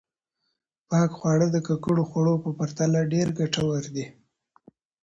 پاک خواړه د ککړو خوړو په پرتله ډېر ګټور دي.